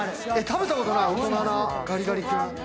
食べたことない、大人なガリガリ君。